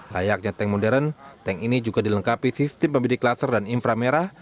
layaknya tank modern tank ini juga dilengkapi sistem pembidik laser dan infra merah